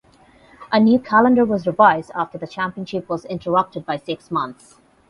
A new calendar was revised after the championship was interrupted by six months.